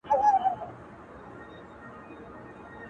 نيمه خوږه نيمه ترخه وه ښه دى تېره سوله،